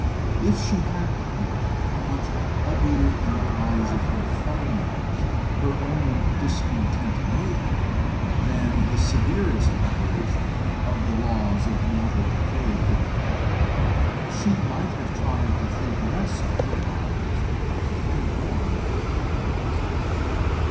If she had but known how much uglier in the eyes of her fellow mortals her own discontent made her, than the severest operation of the laws of mortal decay could have done, she might have tried to think less of her wrongs and more of her privileges.